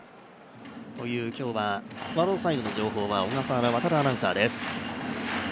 今日はスワローズサイドの情報は小笠原亘アナウンサーです。